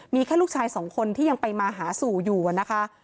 มีแค่ลูกชายสองคนที่ยังไปมาหาสู่อยู่นะคะ